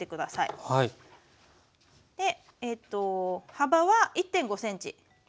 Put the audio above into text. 幅は１．５ｃｍ。